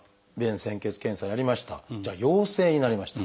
じゃあ陽性になりました。